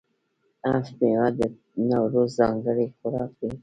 هفت میوه د نوروز ځانګړی خوراک دی.